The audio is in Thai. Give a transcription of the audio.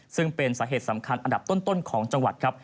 ซึ่งเป็นสาเหตุสำคัญอันดับต้นของจังหวัดครับ